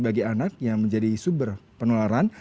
bagi anak yang menjadi sumber penularan